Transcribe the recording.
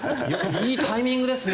いいタイミングですね。